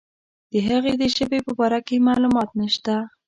د هغه د ژبې په باره کې معلومات نشته.